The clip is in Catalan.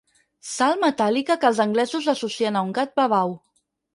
Sal metàl·lica que els anglesos associen a un gat babau.